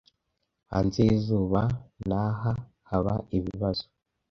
hanze y'izuba naha haba ibibazo